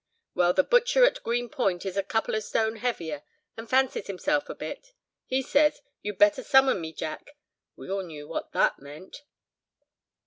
Well, the butcher at Green Point is a couple of stone heavier, and fancies himself a bit. He says, 'You'd better summon me, Jack!' We all knew what that meant."